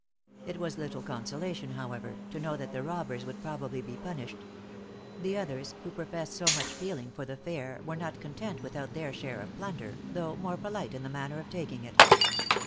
It was little consolation, however, to know that the robbers would probably be punished. The others, who professed so much feeling for the fair, were not content without their share of plunder, though more polite in the manner of taking it.